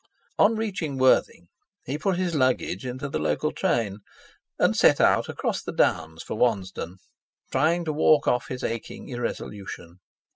On reaching Worthing he put his luggage into the local train, and set out across the Downs for Wansdon, trying to walk off his aching irresolution.